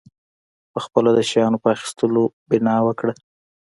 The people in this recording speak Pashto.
پخپله د شیانو په اخیستلو بنا وکړه.